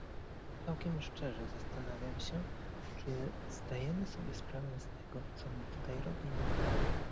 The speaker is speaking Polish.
Całkiem szczerze, zastanawiam się, czy zdajemy sobie sprawę z tego, co my tutaj robimy